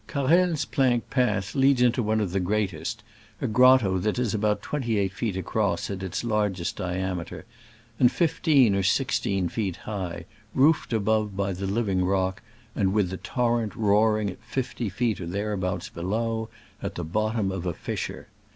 Carrel's plank path leads into one of the greatest — a grotto that is about twenty eight feet across at its largest diameter, and fifteen or sixteen feet high, roofed above by the living rock, and with the torrent roaring fifty feet or thereabouts below, at the bottom of a fissure.